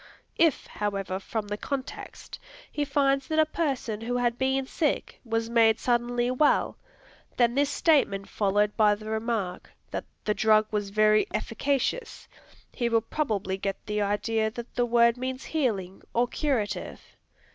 If, however, from the context, he finds that a person who had been sick, was made suddenly well, and this statement followed by the remark, that "the drug was very efficacious," he will probably get the idea that the word means "healing," or "curative."